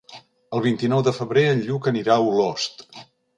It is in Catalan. El vint-i-nou de febrer en Lluc anirà a Olost.